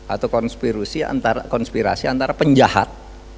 atau konspirasi antara penjahat